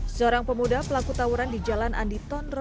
seorang pemuda pelaku tawuran di jalan andi tondro